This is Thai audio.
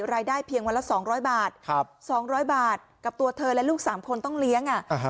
รายได้เพียงวันละ๒๐๐บาท๒๐๐บาทกับตัวเธอและลูก๓คนต้องเลี้ยง